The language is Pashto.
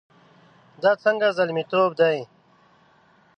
دا څنګه زلميتوب دی؟